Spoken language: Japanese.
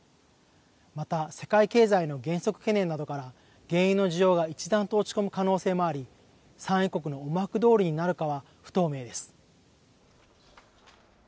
また世界経済の減速懸念などから原油の需要が一段と落ち込む可能性もあり、産油国の思惑どおりになるかは不透明です。